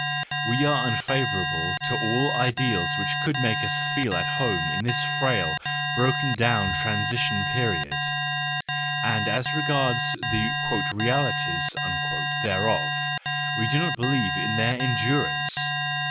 WE FEARLESS ONES 343 We are unfavourable to all ideals which could make us feel at home in this frail, broken down, transition period; and as regards the " realities " thereof, we do not believe in their endurance.